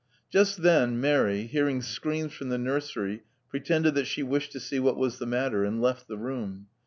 Just then Mary, hearing screams from the nursery pretended that she wished to see what was the matter, and left the room.